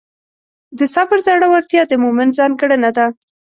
د صبر زړورتیا د مؤمن ځانګړنه ده.